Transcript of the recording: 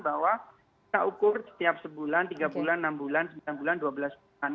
bahwa kita ukur setiap sebulan tiga bulan enam bulan sembilan bulan dua belas bulan